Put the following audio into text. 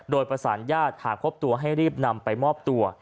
โดยประสานญาติหากพบตัวให้รีบนำไปมอบตัว